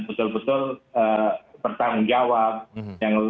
betul betul bertanggung jawab